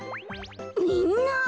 みんな！